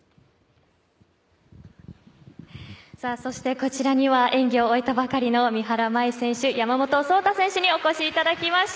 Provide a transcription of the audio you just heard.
こちらには演技を終えたばかりの三原舞依選手、山本草太選手にお越しいただきました。